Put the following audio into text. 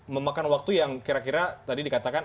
memakan waktu yang kira kira tadi dikatakan